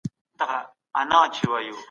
اوسني ځوانان تر پخوانيو هغو ډېر شعوري دي.